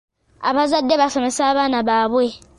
Abazadde basomesa abaana baabwe.